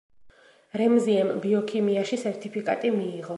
რემზიემ ბიოქიმიაში სერტიფიკატი მიიღო.